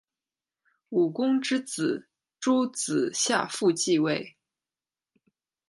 武公之子邾子夏父继位。